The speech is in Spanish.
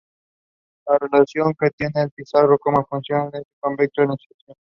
La relación que tienen los Pizarro con la fundación de este convento es esencial.